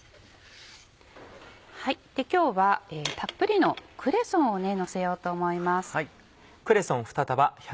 今日はたっぷりのクレソンをのせようと思います。